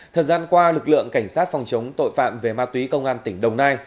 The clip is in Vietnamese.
thời gian qua lực lượng cảnh sát phòng chống tội phạm về ma túy công an tỉnh đồng nai